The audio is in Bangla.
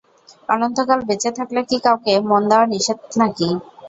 অনন্তকাল বেঁচে থাকলে কি কাউকে মন দেওয়া নিষেধ নাকি?